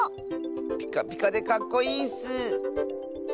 ピカピカでかっこいいッス！